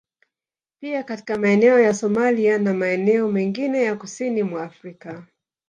Pia katika maeneo ya Somalia na maeneo mengine ya kusini mwa Afrika